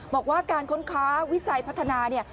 บอกว่าการค้นค้าวิจัยพัฒนาเนี่ย